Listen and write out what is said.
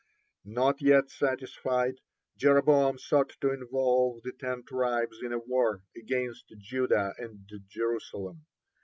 (10) Not yet satisfied, Jeroboam sought to involve the Ten Tribes in a war against Judah and Jerusalem.